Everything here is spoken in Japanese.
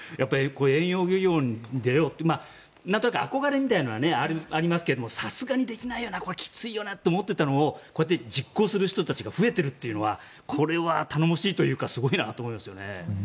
遠洋漁業に出ようとなんとなく憧れみたいなのはありますがさすがにできないよなきついよなって思っていたことをこうやって実行する人たちが増えているというのはこれは頼もしいというかすごいですよね。